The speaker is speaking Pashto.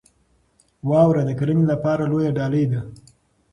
واوره د کرنې لپاره لویه ډالۍ ده.